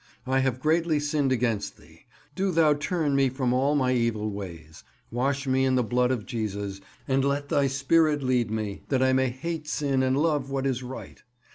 I have greatly sinned against Thee. Do Thou turn me from all my evil ways; wash me in the blood of Jesus, and let Thy Spirit lead me that I may hate sin and love what is right.